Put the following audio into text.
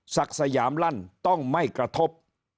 สยามลั่นต้องไม่กระทบ